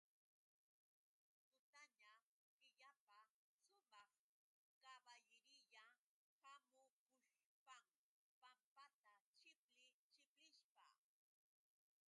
Tutaña killapa sumaq kaballiriya hamukushpam pampata chipli chiplishpa.